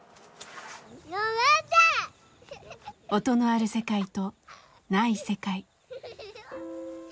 音のある世界とない世界。